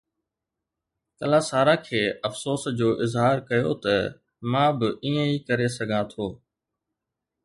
ڪلاسارا کي افسوس جو اظهار ڪيو ته مان به ائين ئي ڪري سگهان ٿو.